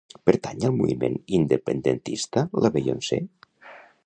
Pertany al moviment independentista la Beyoncé?